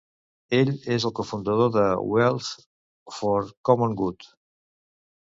Ell és el cofundador de Wealth for Common Good.